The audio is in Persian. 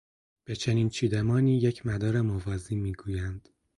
به چنین چیدمانی، یک مدار موازی میگویند